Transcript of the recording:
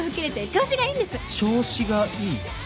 調子がいい？